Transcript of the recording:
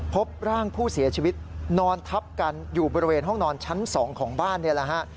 พบร่างผู้เสียชีวิตนอนทับกันอยู่บริเวณห้องนอนชั้น๒ของบ้านนี่แหละฮะ